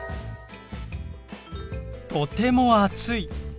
とても暑い。